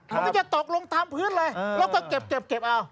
มันก็จะตกลงตามพื้นเลยแล้วก็เก็บเอา